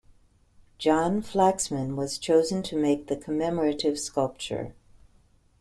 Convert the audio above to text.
John Flaxman was chosen to make the commemorative sculpture.